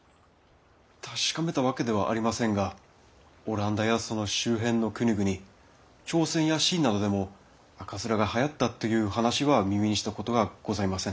確かめたわけではありませんがオランダやその周辺の国々朝鮮や清などでも赤面がはやったという話は耳にしたことがございませぬ。